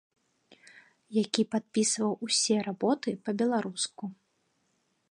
Які падпісваў усе работы па-беларуску.